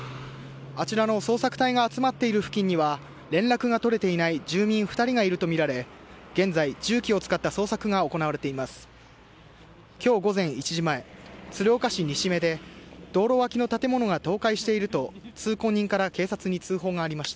あちらの捜索隊が多く集まっている付近には連絡が取れていない住民２人がいるとみられ現在、重機を使った捜索が行われています。